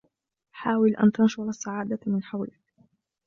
حاول ان تنشر السعادة من حولك.